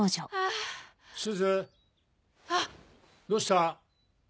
・どうした？